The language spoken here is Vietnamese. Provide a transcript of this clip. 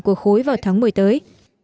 của khối vào tháng một mươi tới